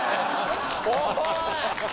おい！